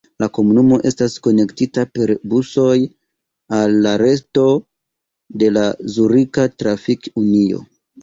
La komunumo estas konektita per busoj al la reto de la Zurika Trafik-Unio.